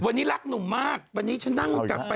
วันนี้รักหนุ่มมากวันนี้ฉันนั่งกลับไป